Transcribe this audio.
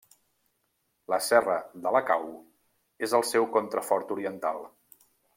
La Serra de la Cau és el seu contrafort oriental.